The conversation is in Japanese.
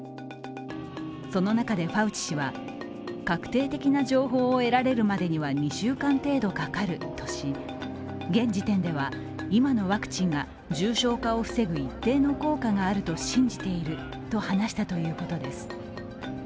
その中でファウチ氏は確定的な情報を得られるまでには２週間程度かかるとし、現時点では今のワクチンが重症化を防ぐ一定の効果があると信じていると話したということです。